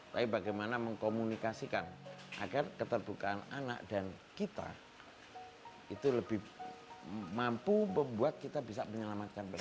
tapi bagaimana mengkomunikasikan agar keterbukaan anak dan kita itu lebih mampu membuat kita bisa menyelamatkan mereka